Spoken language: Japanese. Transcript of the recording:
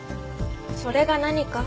それが何か？